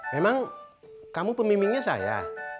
memang kamu pemimingnya saya